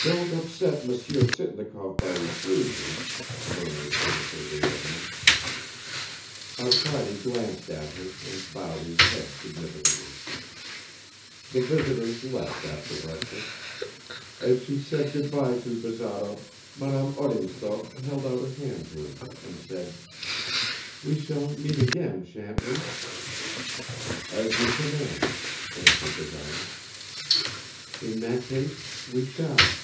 "Don't upset Monsieur Sitnikov by refusing ...," murmured Anna Sergeyevna. Arkady glanced at her and bowed his head significantly. The visitors left after breakfast. As she said good by to Bazarov, Madame Odintsov held out her hand to him, and said, "We shall meet again, shan't we?" "As you command," answered Bazarov. "In that case, we shall."